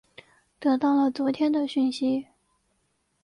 得到了昨天的讯息